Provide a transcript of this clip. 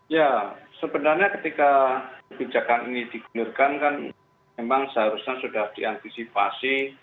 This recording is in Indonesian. ya sebenarnya ketika kebijakan ini digulirkan kan memang seharusnya sudah diantisipasi